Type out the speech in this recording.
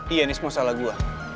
iya ini semua salah gue